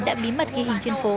đã bí mật ghi hình trên phố